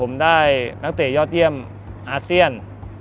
ผมได้นักเตะยอดเยี่ยมอาเซียน